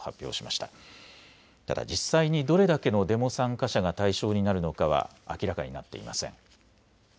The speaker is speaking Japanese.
ただ実際にどれだけのデモ参加者が対象になるのかは明らかになっていません。